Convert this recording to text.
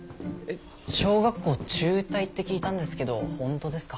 小学校中退って聞いたんですけど本当ですか？